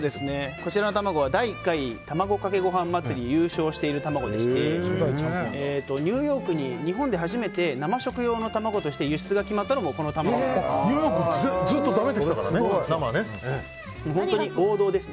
こちらの卵は第１位たまごかけごはん祭りに優勝している卵でしてニューヨークに、日本で初めて生食用の卵として輸出が決まったのもこの卵なんです。